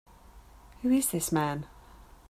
Who is this man?